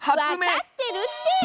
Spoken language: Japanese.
わかってるって！